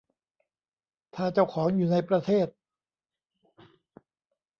ถ้าเจ้าของอยู่ในประเทศ